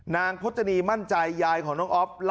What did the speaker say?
นางพฤษณีย์มั่นใจยายของน้องอ๊อฟ